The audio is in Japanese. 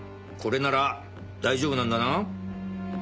これなら大丈夫なんだな？